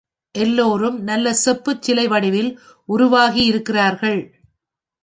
எல்லோரும் நல்ல செப்புச் சிலை வடிவில் உருவாகியிருக்கிறார்கள்.